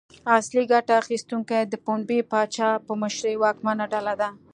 اصلي ګټه اخیستونکي د پنبې پاچا په مشرۍ واکمنه ډله ده.